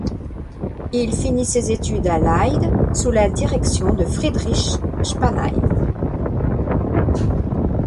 Il finit ses études à Leyde, sous la direction de Friedrich Spanheim.